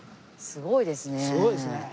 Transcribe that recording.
すごいですね。